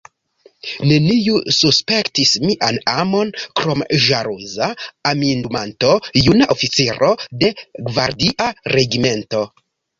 Neniu suspektis mian amon krom ĵaluza amindumanto, juna oficiro de gvardia regimento.